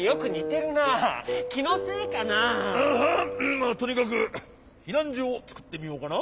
まあとにかくひなんじょをつくってみようかな。